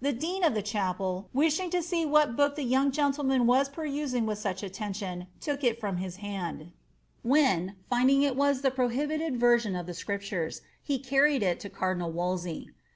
The dean of the chapel, wishing to see what book the young gentleman was perusing with such attention, took it out of his hand ; when, finding it was the prohibited version of the Scriptures, he carried it to cardinal Wolsey.